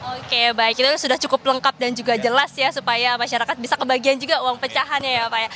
oke baik itu sudah cukup lengkap dan juga jelas ya supaya masyarakat bisa kebagian juga uang pecahannya ya pak ya